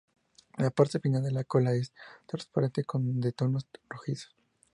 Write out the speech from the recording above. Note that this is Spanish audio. La parte final de la cola es transparente con de tonos rojizos.